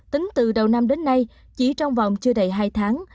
tính từ đầu năm đến nay chỉ trong vòng chưa đầy hai tháng